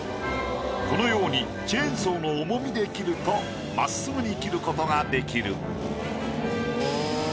このようにチェーンソーの重みで切ると真っすぐに切ることができる。